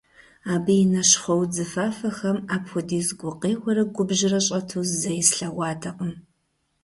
Абы и нэ щхъуэ-удзыфафэхэм апхуэдиз гукъеуэрэ губжьрэ щӀэту зэи слъэгъуатэкъым.